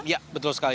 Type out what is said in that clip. iya betul sekali